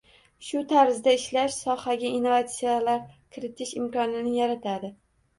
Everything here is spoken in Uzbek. Shu tarzda ishlash sohaga innovatsiyalar kiritish imkoni yaratadi.